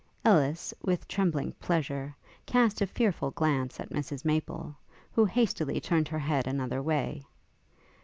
Ellis, with trembling pleasure, cast a fearful glance at Mrs Maple, who hastily turned her head another way.